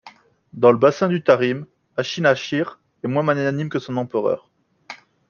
Dans le bassin du Tarim, Ashina She'er est moins magnanime que son empereur.